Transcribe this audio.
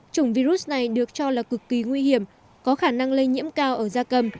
chủng virus này được cho là cực kỳ nguy hiểm có khả năng lây nhiễm cao ở da cầm